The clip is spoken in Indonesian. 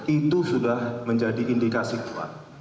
itu sudah menjadi indikasi kuat